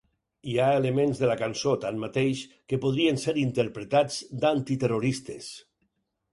Hi ha elements de la cançó, tanmateix, que podrien ser interpretats d'antiterroristes.